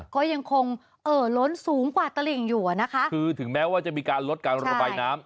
ก็ยังคงเอ่อล้นสูงกว่าตลิ่งอยู่อ่ะนะคะคือถึงแม้ว่าจะมีการลดการระบายน้ำ